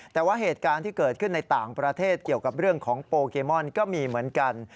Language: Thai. แต่ว่าเหตุการณ์ที่เกิดขึ้นในต่างประเทศเกี่ยวกับเรื่องของโปเกมอนก็มีเหมือนกัน